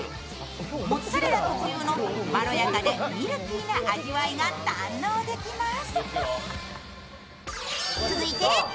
モッツァレラ特有のまろやかでミルキーな味わいが堪能できます。